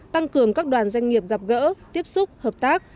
tăng cường các đoàn doanh nghiệp gặp gỡ tiếp xúc hợp tác